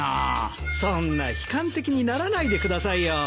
そんな悲観的にならないでくださいよ。